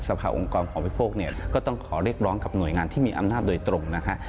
ภาองค์กรของบริโภคเนี่ยก็ต้องขอเรียกร้องกับหน่วยงานที่มีอำนาจโดยตรงนะคะ